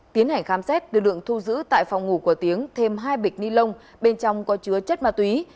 tiến hành khám xét lực lượng thu giữ tại phòng ngủ của tiếng thêm hai bịch ni lông bên trong có chứa chất ma túy